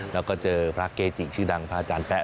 แล้วก็เจอพระเกจิชื่อดังพระอาจารย์แป๊